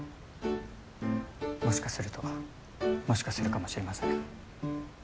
もしかするともしかするかもしれません。